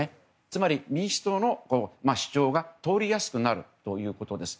つまり、民主党の主張が通りやすくなるということです。